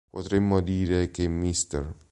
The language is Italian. Potremmo dire che Mr.